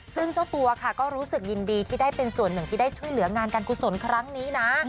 ซึ่งเจ้าตัวค่ะก็รู้สึกยินดีที่ได้เป็นส่วนหนึ่งที่ได้ช่วยเหลืองานการกุศลครั้งนี้นะ